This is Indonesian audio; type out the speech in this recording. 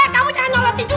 kamu jangan nyolotin juga